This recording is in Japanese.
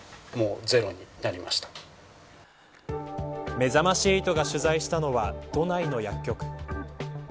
めざまし８が取材したのは都内の薬局。